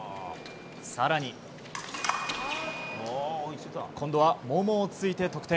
更に、今度はももを突いて得点。